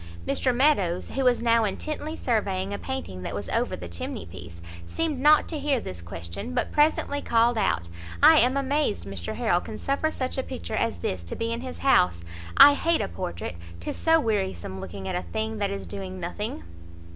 Mr Meadows, who was now intently surveying a painting that was over the chimney piece, seemed not to hear this question, but presently called out "I am amazed Mr Harrel can suffer such a picture as this to be in his house. I hate a portrait, 'tis so wearisome looking at a thing that is doing nothing!"